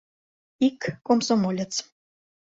Ик комсомолец.